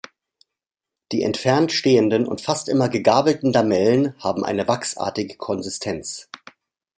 Die entfernt stehenden und fast immer gegabelten Lamellen haben eine wachsartige Konsistenz.